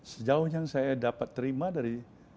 sejauh yang saya dapat terima dari